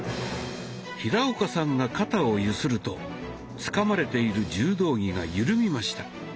平岡さんが肩を揺するとつかまれている柔道着が緩みました。